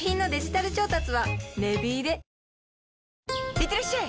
いってらっしゃい！